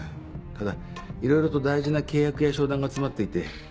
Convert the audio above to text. ただいろいろと大事な契約や商談が詰まっていて。